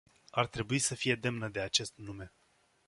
Ar trebui să fie demnă de acest nume.